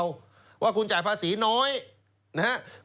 เพราะว่าคุณจ่ายภาษีน้อยนะครับ